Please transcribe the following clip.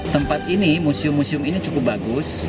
tempat ini museum museum ini cukup bagus